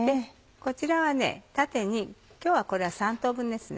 こちらは縦に今日はこれは３等分ですね。